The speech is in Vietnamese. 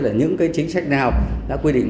là những cái chính sách nào đã quy định